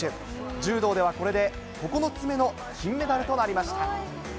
柔道ではこれで９つ目の金メダルとなりました。